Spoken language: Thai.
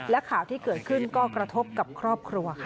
และข่าวที่เกิดขึ้นก็กระทบกับครอบครัวค่ะ